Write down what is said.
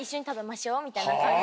みたいな感じ。